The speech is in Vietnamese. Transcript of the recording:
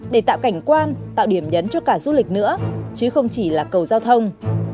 để tạo cảnh quan tạo điểm nhấn cho cả du lịch nữa chứ không chỉ là cầu giao thông